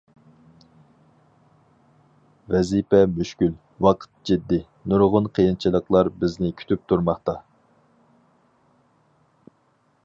ۋەزىپە مۈشكۈل، ۋاقىت جىددىي، نۇرغۇن قىيىنچىلىقلار بىزنى كۈتۈپ تۇرماقتا.